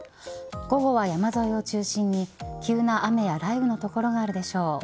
午後は山沿いを中心に急な雨や雷雨の所があるでしょう。